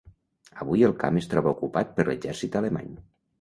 Avui el camp es troba ocupat per l'exèrcit alemany.